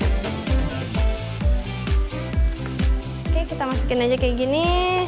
oke kita masukin aja kayak gini